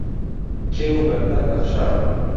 کێو و بەندەن نەخشاوە